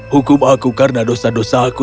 hukum aku karena dosa dosa aku